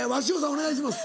お願いします。